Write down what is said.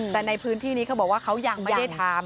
แต่ในพื้นที่นี้เขาบอกว่าเขายังไม่ได้ทำ